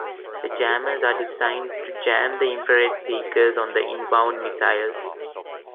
The jammers are designed to jam the infra-red seekers on the inbound missiles.